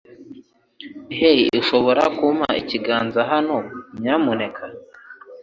Hey, ushobora kumpa ikiganza hano, nyamuneka?